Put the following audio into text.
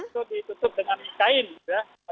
itu ditutup dengan kain ya